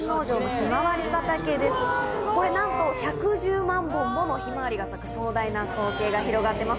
これなんと１１０万本ものひまわりが咲く壮大な光景が広がってます。